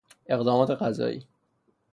اقدامات قضایی